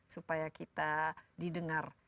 supaya kita didengar